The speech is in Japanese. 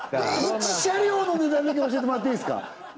１車両の値段だけ教えてもらっていいすか？